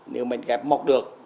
nếu mình ghẹp mọc được